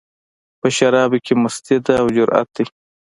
په شرابو کې مستي ده، او جرت دی